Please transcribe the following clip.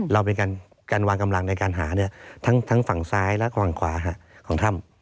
เราเป็นการวางกำลังในการหาทั้งฝั่งซ้ายและฝั่งขวาของถ้ำ